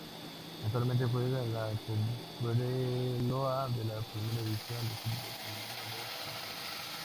Actualmente juega en Cobreloa de la Primera División de fútbol femenino de Chile.